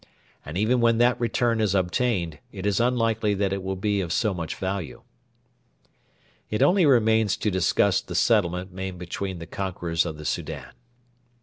And even when that return is obtained, it is unlikely that it will be of so much value. It only remains to discuss the settlement made between the conquerors of the Soudan.